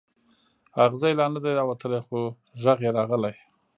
اغزی لا نه دی راوتلی خو غږ یې راغلی.